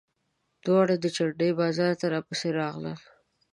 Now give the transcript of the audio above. دواړه د جنډې بازار ته راپسې راغلل.